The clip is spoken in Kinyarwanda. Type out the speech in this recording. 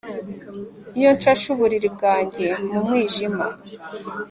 iyo nshashe uburiri bwanjye mu mwijima